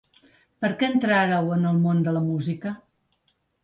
Per què entràreu en el món de la música?